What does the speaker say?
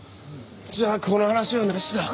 じゃあこの話はなしだ。